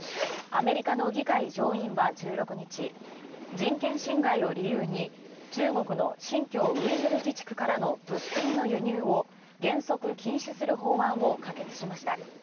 人権侵害を理由に、中国の新疆ウイグル自治区からの物品の輸入を原則禁止する法案を可決しました。